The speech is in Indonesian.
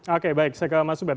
oke baik saya ke mas ubed